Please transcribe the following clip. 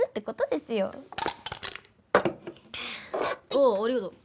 ああありがとう。